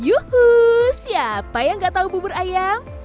yuhuu siapa yang gak tahu bubur ayam